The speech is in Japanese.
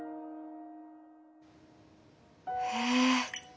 へえ。